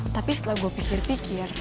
tapi setelah gue pikir pikir